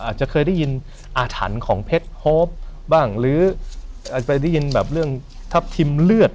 อาจจะเคยได้ยินอาถรรพ์ของเพชรโฮปบ้างหรืออาจจะได้ยินแบบเรื่องทัพทิมเลือด